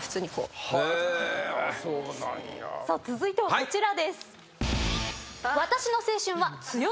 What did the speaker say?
続いてはこちらです。